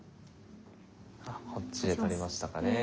ああこっちで取りましたかね。